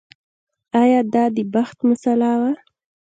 ایا دا د بخت مسئله وه.